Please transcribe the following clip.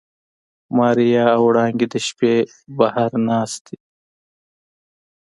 ماريا او وړانګې د شپې بهر ناستې.